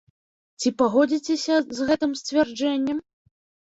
Ці пагодзіцеся з гэтым сцвярджэннем?